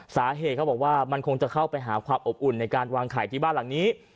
เขาบอกว่ามันคงจะเข้าไปหาความอบอุ่นในการวางไข่ที่บ้านหลังนี้